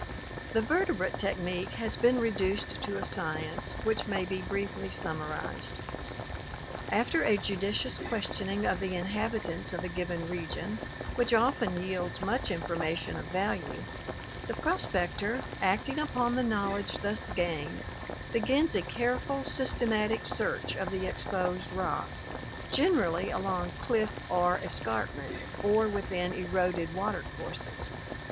The vertebrate technique has been reduced to a science, which may be briefly summarized. After a judicious questioning of the inhabitants of a given region, which often yields much information of value, the prospector, acting upon the knowledge thus gained, begins a careful, systematic search of the exposed rock, generally along cliff or escarpment, or within eroded water courses.